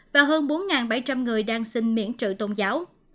và hơn bốn bảy trăm linh người đang xin miễn trợ tôn giáo